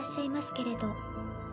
けれどお